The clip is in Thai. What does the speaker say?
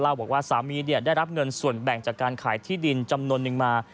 บอกว่าสามีได้รับเงินส่วนแบ่งจากการขายที่ดินจำนวนนึงมา